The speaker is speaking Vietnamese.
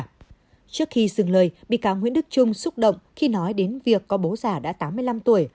trước khi dừng lời bị cáo nguyễn đức trung xúc động khi nói đến việc có bố già đã tám mươi năm tuổi